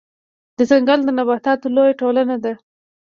ځنګل د نباتاتو لويه ټولنه ده